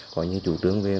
gọi như chủ trương về